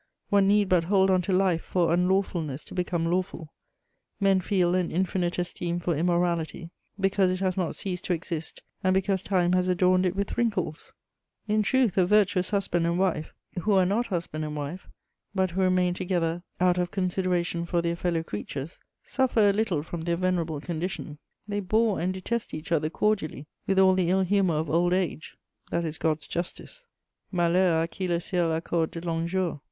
One need but hold on to life for unlawfulness to become lawful. Men feel an infinite esteem for immorality because it has not ceased to exist and because time has adorned it with wrinkles. In truth, a virtuous husband and wife, who are not husband and wife, but who remain together out of consideration for their fellow creatures, suffer a little from their venerable condition; they bore and detest each other cordially with all the ill humour of old age; that is God's justice: Malheur à qui le ciel accorde de longs jours! [Sidenote: Madame de Houdetot.